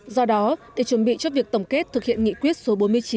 do đó để chuẩn bị cho việc tổng kết thực hiện nghị quyết số bốn mươi chín